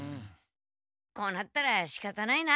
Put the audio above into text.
こうなったらしかたないな。